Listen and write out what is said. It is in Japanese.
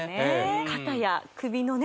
肩や首のね